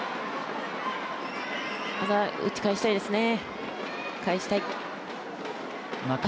返したいですね。